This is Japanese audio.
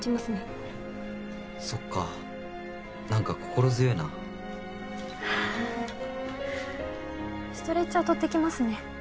はいそっか何か心強いなストレッチャー取ってきますね